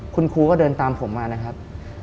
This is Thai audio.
คุณครูก็เดินตามผมมานะครับ